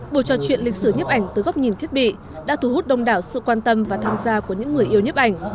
buổi trò chuyện lịch sử nhiếp ảnh từ góc nhìn thiết bị đã thu hút đông đảo sự quan tâm và tham gia của những người yêu nhếp ảnh